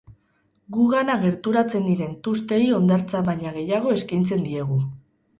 Gugana gerturatzen diren tustei hondartza baina gehiago eskeitzen diegu.